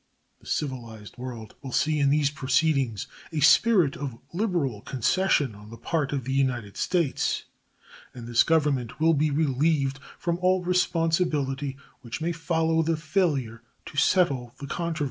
The civilized world will see in these proceedings a spirit of liberal concession on the part of the United States, and this Government will be relieved from all responsibility which may follow the failure to settle the controversy.